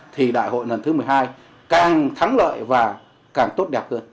thì đại hội lần thứ một mươi hai càng thắng lợi và càng tốt đẹp hơn